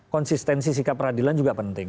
konsistensi sikap peradilan juga penting